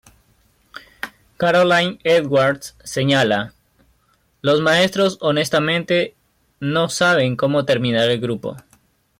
Carolyn Edwards señala: "Los maestros honestamente no saben cómo terminará el grupo.